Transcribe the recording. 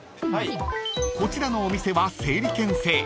［こちらのお店は整理券制］